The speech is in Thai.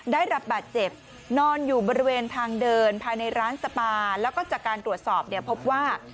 ได้รับบาดเจ็บนอนอยู่บริเวณทางเดินภายในร้านสปาแล้วก็จากการตรวจสอบเนี่ยพบว่า